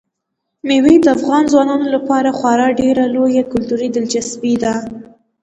مېوې د افغان ځوانانو لپاره خورا ډېره لویه کلتوري دلچسپي لري.